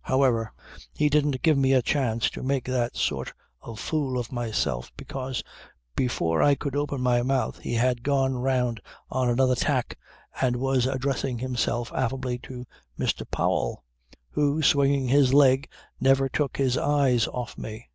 However he didn't give me a chance to make that sort of fool of myself because before I could open my mouth he had gone round on another tack and was addressing himself affably to Mr. Powell who swinging his leg never took his eyes off me.